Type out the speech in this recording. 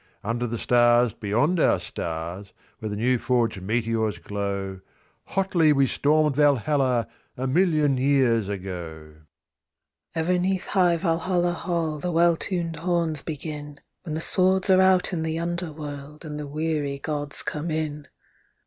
Under the stars beyond our stars where the new forged meteors glow, Hotly we stormed Valhalla, a million years ago! Ever 'neath high Valhalla Hall the well tuned horns begin, When the swords are out in the underworld, and the weary Gods come in.